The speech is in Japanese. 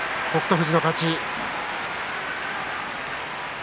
富士の勝ち。